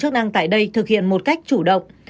chức năng tại đây thực hiện một cách chủ động